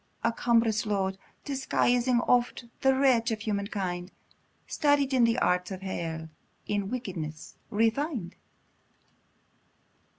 a cumbrous load, Disguising oft the wretch of human kind, Studied in arts of hell, in wickedness refin'd!